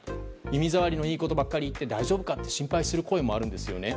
耳障りのいいことばかり言って大丈夫かと心配する声もあるんですよね。